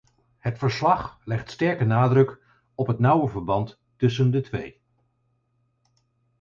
Het verslag legt sterke nadruk op het nauwe verband tussen de twee.